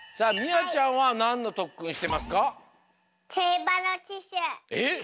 あちゃんはなんのとっくんしてますか？えっ！？